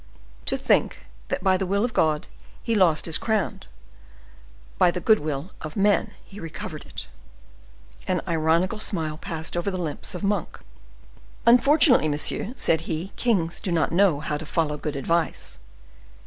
"To think that by the will of God he lost his crown, by the good will of men he recovered it." An ironical smile passed over the lips of Monk. "Unfortunately, monsieur," said he, "kings do not know how to follow good advice."